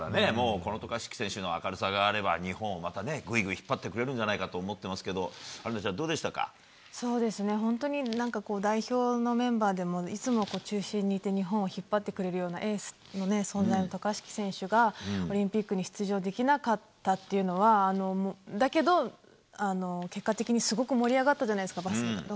この渡嘉敷選手の明るさがあれば日本をぐいぐい引っ張ってくれるんじゃないかと思っていますが、春奈ちゃん代表のメンバーでもいつも中心にいて日本を引っ張ってくれるようなエースの存在の渡嘉敷選手がオリンピックに出場できなかったというのはだけど、結果的にすごく盛り上がったじゃないですかバスケが。